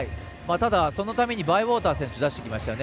ただ、そのためにバイウォーター選手出してきましたよね